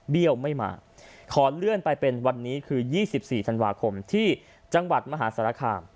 เบี้ยวไม่มาขอเลื่อนไปเป็นวันนี้คือยี่สิบสี่สันวาคมที่จังหวัดมหาศาลค่า